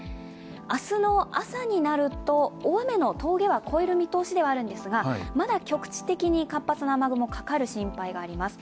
明日の朝になると大雨の峠を越える見通しではあるんですがまだ局地的に活発な雨雲、かかる心配があります。